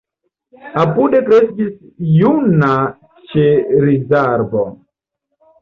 Apude kreskis juna ĉerizarbo.